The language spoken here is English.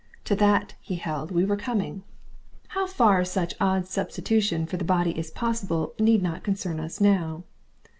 To that, he held, we were coming. How far such odd substitution for the body is possible need not concern us now.